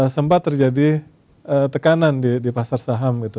sempat terjadi tekanan di pasar saham gitu